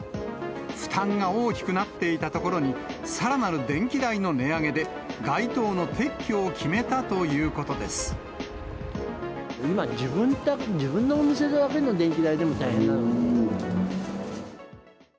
負担が大きくなっていたところに、さらなる電気代の値上げで、街灯の撤去を決めたということで今、自分のお店だけの電気代大変なのに。